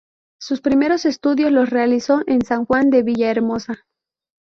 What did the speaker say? Sus primeros estudios los realizó en San Juan de Villahermosa.